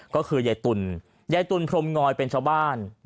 ก็คือยายตุ๋นยายตุลพรมงอยเป็นชาวบ้าน